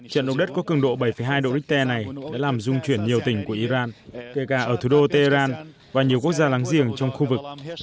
trận động đất có cường độ bảy hai độ richter này đã làm dung chuyển nhiều tỉnh của iran kể cả ở thủ đô tehran và nhiều quốc gia láng giềng trong khu vực